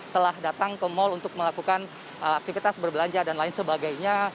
telah datang ke mal untuk melakukan aktivitas berbelanja dan lain sebagainya